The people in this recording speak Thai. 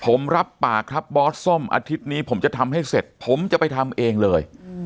ผมรับปากครับบอสส้มอาทิตย์นี้ผมจะทำให้เสร็จผมจะไปทำเองเลย